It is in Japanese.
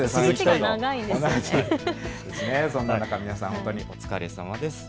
皆さん本当にお疲れさまです。